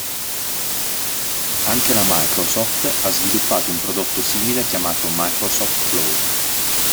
Anche la Microsoft ha sviluppato un prodotto simile chiamato Microsoft Flow.